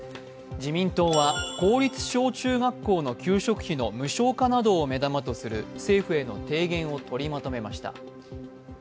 自民党は公立小中学校の給食費の無償化などを目玉とする政府への提言を取りまとめました。